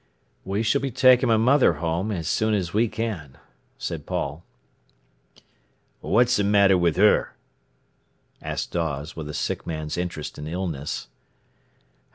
"We s'll be taking my mother home as soon as we can," said Paul. "What's a matter with her?" asked Dawes, with a sick man's interest in illness.